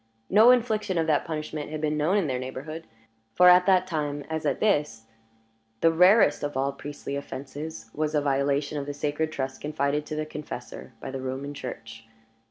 No infliction of that punishment had been known in their neighborhood; for at that time, as at this, the rarest of all priestly offenses was a violation of the sacred trust confided to the confessor by the Roman Church.